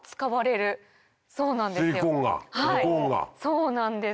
そうなんです。